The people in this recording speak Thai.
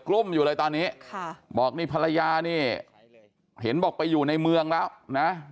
ลุ้มอยู่เลยตอนนี้ค่ะบอกนี่ภรรยานี่เห็นบอกไปอยู่ในเมืองแล้วนะ